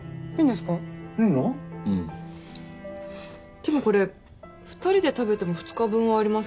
でもこれ２人で食べても２日分はありますよね。